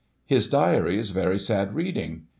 His diary is very sad reading.